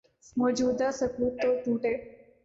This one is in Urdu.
موجودہ سکوت تو ٹوٹے۔